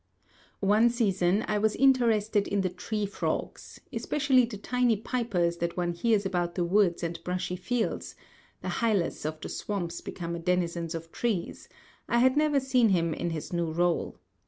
One season I was interested in the tree frogs, especially the tiny pipers that one hears about the woods and brushy fields the hylas of the swamps become a denizen of trees; I had never seen him in this new rôle.